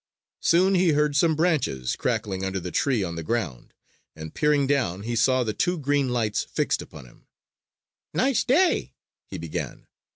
Soon he heard some branches crackling under the tree on the ground; and peering down he saw the two green lights fixed upon him. "Nice day!" he began.